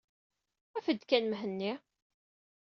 Af-d kan Mhenni.